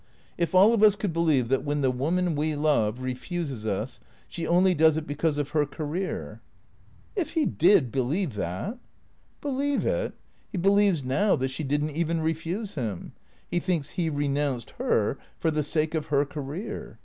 If all of us could believe that when the woman we love refuses us she only does it because of her career "" If he did believe that "" Believe it ? He believes now that she did n't even refuse him. He thinks he renounced her — for the sake of her career.